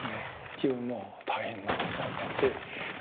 自分も大変だと思って。